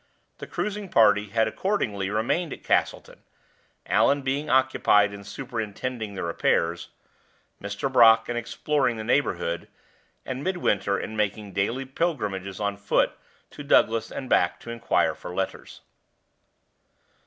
The cruising party had accordingly remained at Castletown, Allan being occupied in superintending the repairs, Mr. Brock in exploring the neighborhood, and Midwinter in making daily pilgrimages on foot to Douglas and back to inquire for letters.